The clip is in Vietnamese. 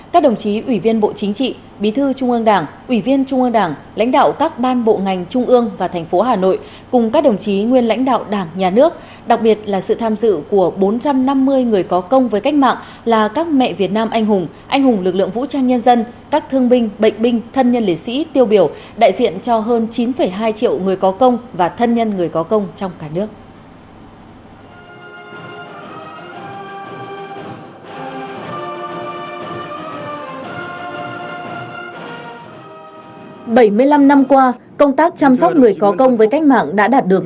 các đồng chí ủy viên bộ chính trị bí thư trung ương đảng ủy viên trung ương đảng lãnh đạo các ban bộ ngành trung ương và thành phố hà nội cùng các đồng chí nguyên lãnh đạo đảng nhà nước đặc biệt là sự tham dự của bốn trăm năm mươi người có công với cách mạng là các mẹ việt nam anh hùng anh hùng lực lượng vũ trang nhân dân các thương binh bệnh binh thân nhân lễ sĩ tiêu biểu đại diện cho hơn chín hai triệu người có công và thân nhân người có công trong cả nước